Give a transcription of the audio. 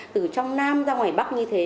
từ trong nam ra ngoài bắc như thế